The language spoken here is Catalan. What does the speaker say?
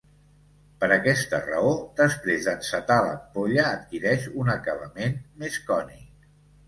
Per aquesta raó, després d'encetar l'ampolla adquireix un acabament més cònic.